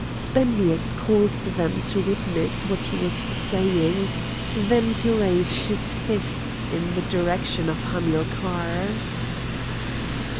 Spendius called them to witness what he was saying; then he raised his fists in the direction of Hamilcar.